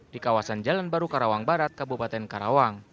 di kawasan jalan baru karawang barat kabupaten karawang